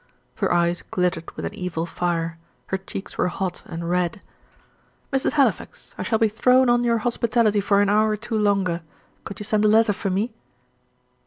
Her eyes glittered with an evil fire: her cheeks were hot and red. "Mrs. Halifax, I shall be thrown on your hospitality for an hour or two longer. Could you send a letter for me?"